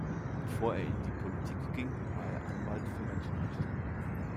Bevor er in die Politik ging, war er Anwalt für Menschenrechte.